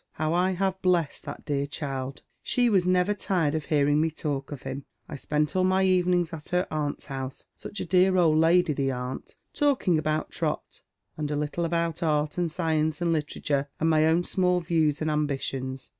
How I have blessed that dear child I She was never tired of hearing me talk of him. I spent all my evenings at her aunt's house — such a dear old lady, the aunt — talking about Trot, and a little about art and science, and literature, and my own small views and ambitions.